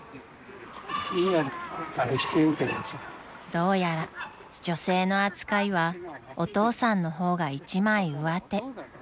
［どうやら女性の扱いはお父さんの方が一枚上手］